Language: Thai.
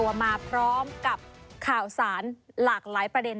โดยเฉพาะเรื่องของเปรี้ยวมือฆ่าหันศพที่วันนี้พูดกันทั้งวันเลยค่ะ